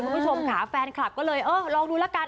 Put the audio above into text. คุณผู้ชมค่ะแฟนคลับก็เลยเออลองดูละกัน